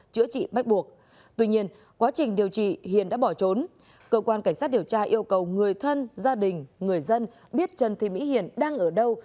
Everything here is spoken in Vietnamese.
chữa trị bách buộc tuy nhiên quá trình điều trị hiền đã bỏ trốn cơ quan cảnh sát điều tra yêu cầu người thân gia đình người dân biết trần thị mỹ hiền đang ở đâu